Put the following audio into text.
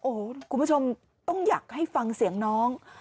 โอ้โหคุณผู้ชมต้องอยากให้ฟังเสียงน้อง